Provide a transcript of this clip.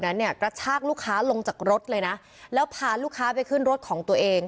นั้นเนี่ยกระชากลูกค้าลงจากรถเลยนะแล้วพาลูกค้าไปขึ้นรถของตัวเอง